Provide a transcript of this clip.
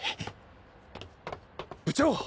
部長！